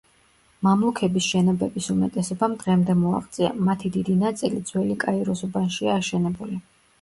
მამლუქების შენობების უმეტესობამ დღემდე მოაღწია, მათი დიდი ნაწილი ძველი კაიროს უბანშია აშენებული.